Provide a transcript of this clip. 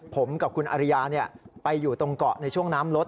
ผมกับคุณอริยาไปอยู่ตรงเกาะในช่วงน้ำลด